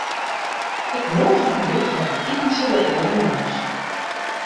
Ik nûge har út foar in itentsje de oare jûns.